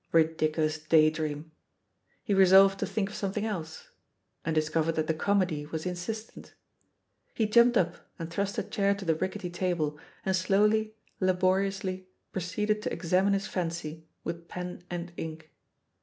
Ridiculous daydream I He resolved to think of something else — and discov ered that the comedy was insistent. He jumped up and thrust a chair to the rickety table, and slowly, laboriously proceeded to examine his fancy with pen and ink.